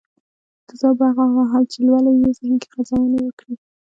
دا ځواب به هغه مهال چې لولئ يې ذهن کې غځونې وکړي.